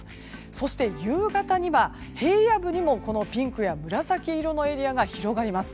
そして、夕方には平野部でもピンクや紫色のエリアが広がります。